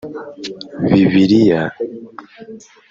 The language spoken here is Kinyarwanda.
Bibiliya